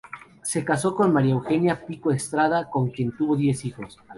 Se casó con María Eugenia Pico Estrada, con quien tuvo diez hijos.